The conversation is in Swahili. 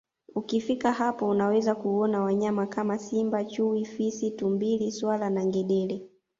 Ukifika hapo unaweza kuona wanyama kama Simba Chui Fisi Tumbili swala na ngedele